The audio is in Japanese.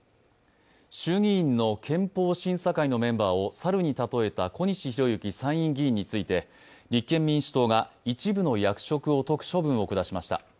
衆議院の憲法審査会のメンバーをサルに例えた小西洋之参院議員について立憲民主党が一部の役職を解く処分を下しました。